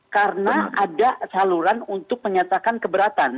karena ada saluran untuk menyatakan keberatan